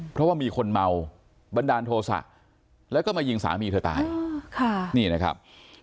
เพราะว่ามีคนเมาบันดาลโทษะแล้วก็มายิงสามีเธอตายค่ะนี่นะครับ